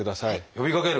呼びかける。